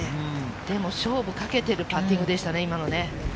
でも勝負かけているパッティングでしたね。